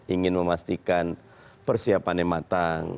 ingin memastikan persiapannya matang